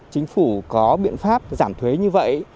chính phủ có biện pháp giảm thuế như vậy